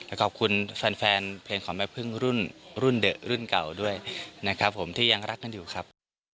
และขอบคุณแฟนเพลงของแม่พึ่งรุ่นเดอะรุ่นเก่าด้วยนะครับผมที่ยังรักกันอยู่ครับ